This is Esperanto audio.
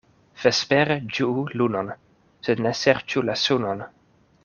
Vespere ĝuu lunon, sed ne serĉu la sunon.